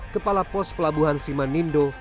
kepala pos pelabuhan simanindo